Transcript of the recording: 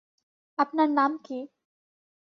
আপনার নাম কী?